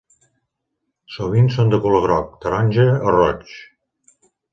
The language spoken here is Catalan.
Sovint són de color groc, taronja o roig.